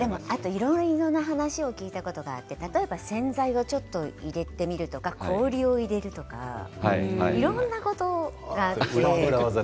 いろいろな話を聞いたことがあって洗剤をちょっと入れてみるとか氷を入れるとかいろんなことがあって。